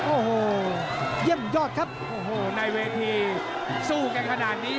โอ้โหเยี่ยมยอดครับโอ้โหในเวทีสู้กันขนาดนี้